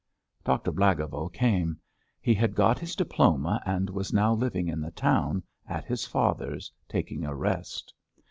Doctor Blagovo came. He had got his diploma and was now living in the town, at his father's, taking a rest.